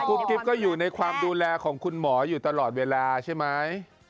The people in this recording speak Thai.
กิ๊บก็อยู่ในความดูแลของคุณหมออยู่ตลอดเวลาใช่ไหม